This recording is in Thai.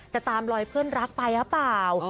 จะตามลอยเพื่อนรักไปหรือเปล่า